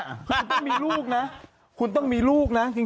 คุณต้องมีลูกนะคุณต้องมีลูกนะจริง